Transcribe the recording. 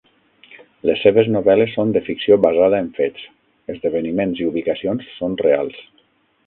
Les seves novel·les són de "ficció basada en fets": esdeveniments i ubicacions són reals.